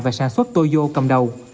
và sản xuất toyo cầm đầu